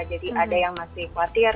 jadi ada yang masih khawatir